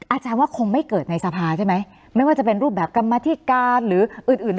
อาจารย์ว่าคงไม่เกิดในสภาใช่ไหมไม่ว่าจะเป็นรูปแบบกรรมธิการหรืออื่นอื่น